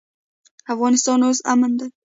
افغانستان اوس امن دی.